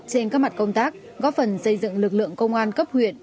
trên các mặt công tác góp phần xây dựng lực lượng công an cấp huyện